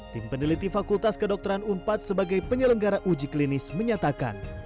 tim peneliti fakultas kedokteran unpad sebagai penyelenggara uji klinis menyatakan